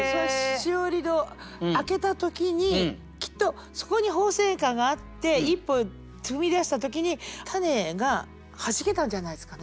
枝折戸開けた時にきっとそこに鳳仙花があって一歩踏み出した時に種が弾けたんじゃないですかね。